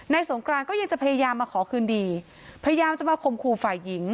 สงกรานก็ยังจะพยายามมาขอคืนดีพยายามจะมาข่มขู่ฝ่ายหญิง